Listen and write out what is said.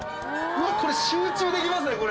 これ集中できますねこれ。